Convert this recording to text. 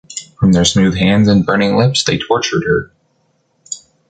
From their smooth hands and burning lips, they tortured her.